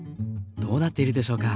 どうなっているでしょうか？